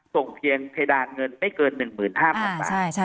ส่งเพียงเพดานเงินไม่เกิน๑๕๐๐๐บาท